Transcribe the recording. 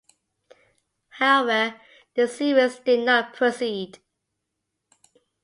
However, the series did not proceed.